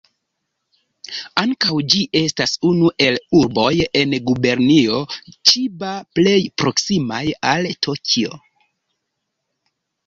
Ankaŭ ĝi estas unu el urboj en Gubernio Ĉiba plej proksimaj al Tokio.